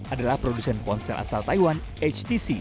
adalah produsen ponsel asal taiwan htc